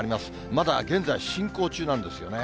まだ現在進行中なんですよね。